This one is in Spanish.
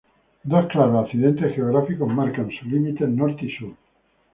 Dos claros accidentes geográficos marcan sus límites norte y sur.